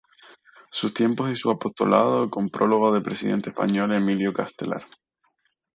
Sus tiempos y su apostolado, con prólogo del expresidente español Emilio Castelar.